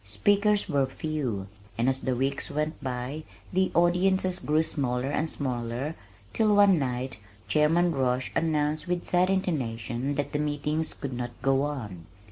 Speakers were few and as the weeks went by the audiences grew smaller and smaller till one night Chairman Roche announced with sad intonation that the meetings could not go on.